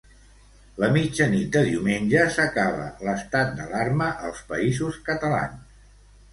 La mitjanit de diumenge s'acaba l'estat d'alarma als Països Catalans.